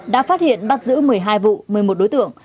đã phát hiện bắt giữ một mươi hai vụ một mươi một đối tượng